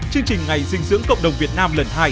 chương trình ngày dinh dưỡng cộng đồng việt nam lần hai